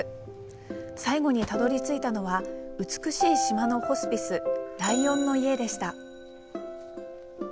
最後にたどりついたのは美しい島のホスピスライオンの家でした。